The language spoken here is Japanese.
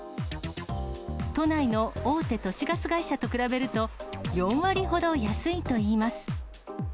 都内の大手都市ガス会社と比べると、４割ほど安いといいます。